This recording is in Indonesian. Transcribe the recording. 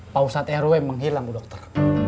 pausat rw menghilang dokter